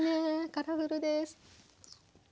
カラフルです。